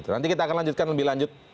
nanti kita akan lanjutkan lebih lanjut